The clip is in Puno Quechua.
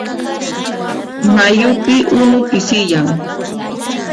Mayupi unu pisiyan.